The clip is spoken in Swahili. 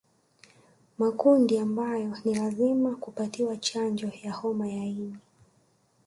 Makundi ambayo ni lazima kupatiwa chanjo ya homa ya ini